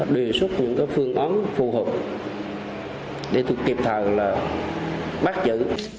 đề xuất những cái phương ấn phù hợp để tôi kiệp thầm là bác giữ